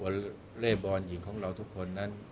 ให้กับหัวเล่บอนหญิงของเราทุกคนนั้น